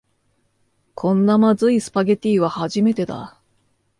こんなまずいスパゲティは初めてだ